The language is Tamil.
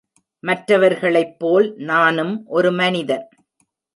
மற்றவர்களைப்போல் நானும் ஒரு மனிதன்.